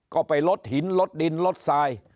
ก็ไปลดหินลดดินลดทราย